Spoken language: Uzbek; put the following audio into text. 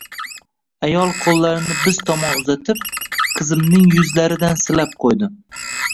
ayol qo`llarini biz tomon uzatib, qizimning yuzlaridan silab qo`ydi